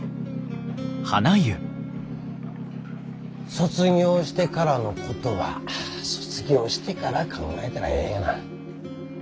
卒業してからのことは卒業してから考えたらええがな。